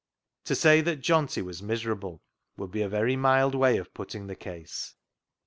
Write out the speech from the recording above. To say that Johnty was miserable would be a very mild way of putting the case.